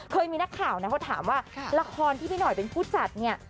เคยมีนักข่าวนะเขาถามว่าละครที่พี่หน่อยเป็นผู้จัดเนี่ย